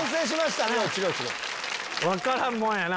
分からんもんやな。